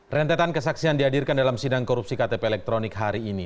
rentetan kesaksian dihadirkan dalam sidang korupsi ktp elektronik hari ini